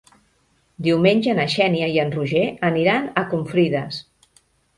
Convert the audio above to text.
Diumenge na Xènia i en Roger aniran a Confrides.